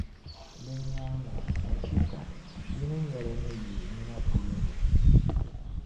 Di nyaaŋa, achiika! Yi ni nya li ni yi nina, polo ni.